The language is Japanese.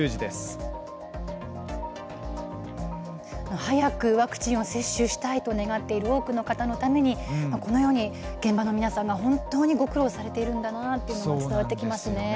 早くワクチンを接種したいと願っている多くの人のために現場の皆さんが本当にご苦労されているんだなって伝わってきましたね。